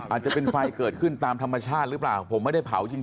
อาจจะเป็นไฟเกิดขึ้นตามธรรมชาติหรือเปล่าผมไม่ได้เผาจริง